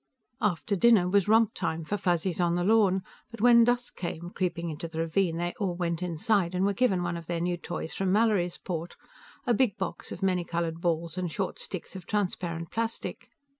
After dinner was romptime for Fuzzies on the lawn, but when the dusk came creeping into the ravine, they all went inside and were given one of their new toys from Mallorysport a big box of many colored balls and short sticks of transparent plastic.